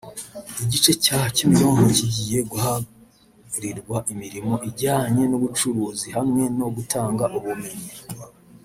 Igice cya Kimironko kigiye guharirwa imirimo ijyanye n’ubucuruzi hamwe no gutanga ubumenyi